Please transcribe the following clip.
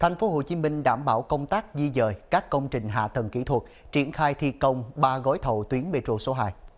thành phố hồ chí minh đảm bảo công tác di dời các công trình hạ tầng kỹ thuật triển khai thi công ba gói thầu tuyến bê trụ số hai